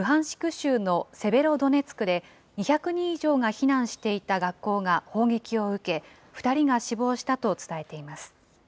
州のセベロドネツクで２００人以上が避難していた学校が砲撃を受け、２人が死亡したと伝えています。